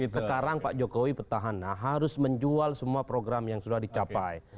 sekarang pak jokowi petahana harus menjual semua program yang sudah dicapai